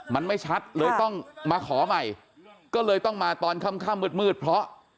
มันไม่ชัดเลยต้องมาขอใหม่ก็เลยต้องมาตอนค่ำมืดเพราะ